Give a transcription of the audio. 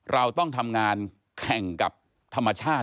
เราต้องทำงานแข่งกับธรรมชาติ